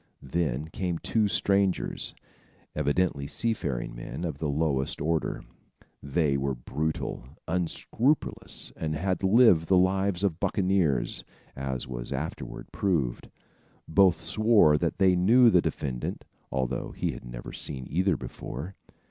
Then came two strangers, evidently sea faring men, of the lowest order. They were brutal, unscrupulous and had lived the lives of buccaneers, as was afterward proved. Both swore that they knew the defendant, although he had never seen either before.